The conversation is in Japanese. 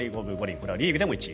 これはリーグでも１位。